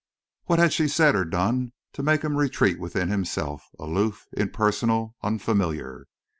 What had she said or done to make him retreat within himself, aloof, impersonal, unfamiliar?